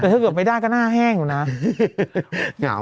เกือบไม่ได้ก็หน้าแห้งเลยนะ